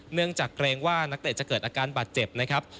เนื่องจากเกรงว่านักเตะจะเกิดอาการบาดเจ็บนะครับ